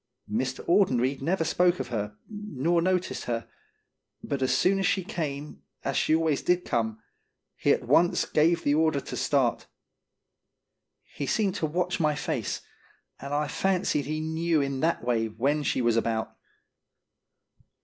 Mr. Audenried never spoke of her, nor noticed her, but as soon as she came, as she always did come, he at once gave the order to start. He seemed to watch my face, and I fancied he knew in that way when she was about.